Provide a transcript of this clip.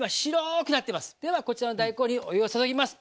ではこちらの大根にお湯を注ぎます。